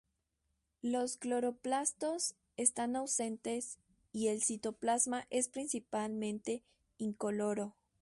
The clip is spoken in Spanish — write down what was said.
Los cloroplastos están ausentes y el citoplasma es principalmente incoloro.